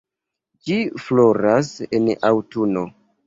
Ĝi floras en aŭtuno.